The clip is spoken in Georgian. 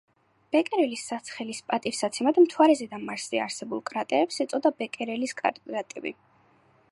ბეკერელის სახელის პატივსაცემად მთვარეზე და მარსზე არსებულ კრატერებს ეწოდა ბეკერელის კრატერები.